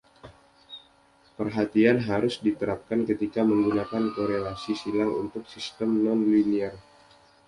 Perhatian harus diterapkan ketika menggunakan korelasi silang untuk sistem non-linier.